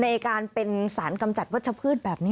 ในการเป็นสารกำจัดวัชพืชแบบนี้